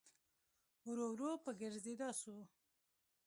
ورو ورو په ګرځېدا سو.